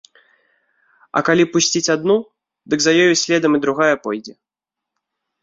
А калі пусціць адну, дык за ёю следам і другая пойдзе.